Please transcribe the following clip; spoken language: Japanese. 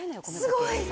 すごい。